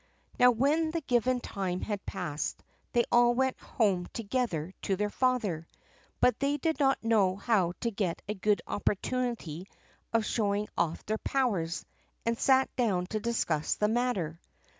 Now, when the given time had passed, they all went home together to their father; but they did not know how to get a good opportunity of showing off their powers, and sat down to discuss the matter.